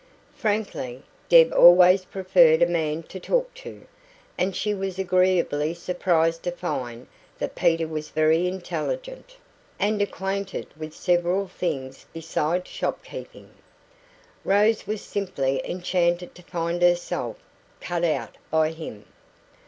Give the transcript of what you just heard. Frankly, Deb always preferred a man to talk to, and she was agreeably surprised to find that Peter was very intelligent, and acquainted with several things beside shopkeeping. Rose was simply enchanted to find herself 'cut out' by him.